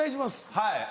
はい。